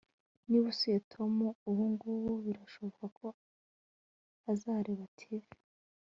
Niba usuye Tom ubungubu birashoboka ko azareba TV